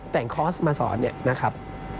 แต่งคอร์สมาสอนเนี่ยนะครับ